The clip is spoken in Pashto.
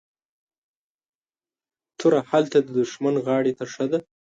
توره هلته ددښمن غاړي ته ښه ده